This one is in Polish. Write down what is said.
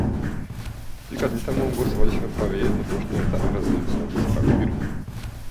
Kilka dni temu głosowaliśmy prawie jednogłośnie za rezolucją w sprawie Birmy